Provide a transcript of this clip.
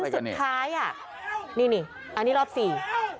คล้ายอ่ะนี่นี่อันนี้รอบสี่